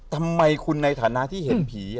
ทำไมคุณในฐานะที่เห็นผี